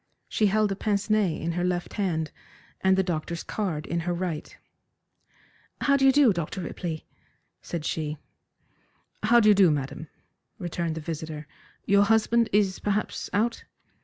She held a pince nez in her left hand, and the doctor's card in her right. "How do you do, Dr. Ripley?" said she. "How do you do, madam?" returned the visitor. "Your husband is perhaps out?"